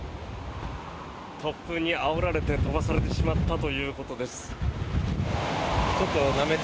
突風にあおられて飛ばされてしまったということです。